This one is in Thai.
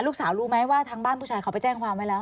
รู้ไหมว่าทางบ้านผู้ชายเขาไปแจ้งความไว้แล้ว